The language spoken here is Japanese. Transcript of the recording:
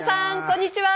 こんにちは！